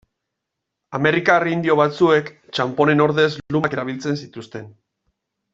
Amerikar indio batzuek txanponen ordez lumak erabiltzen zituzten.